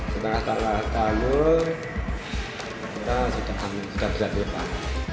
setelah setahun kita sudah bisa beri ikhram